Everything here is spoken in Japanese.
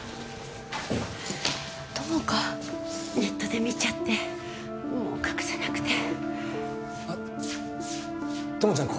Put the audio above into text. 友果ネットで見ちゃってもう隠せなくて友ちゃん